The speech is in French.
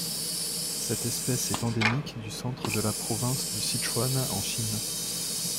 Cette espèce est endémique du centre de la province du Sichuan en Chine.